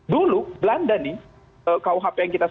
dulu belanda nih